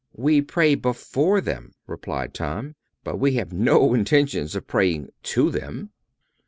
"We pray before them," replied Tom; "but we have no intention of praying to them."